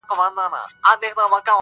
• دا د کهف د اصحابو د سپي خپل دی..